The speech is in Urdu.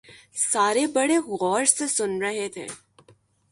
سارے بڑے غور سے سن رہے تھے